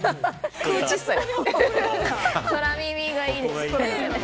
空耳がいいですね。